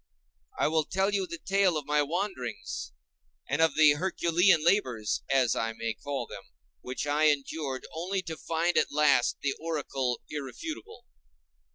I will tell you the tale of my wanderings and of the "Herculean" labors, as I may call them, which I endured only to find at last the oracle irrefutable.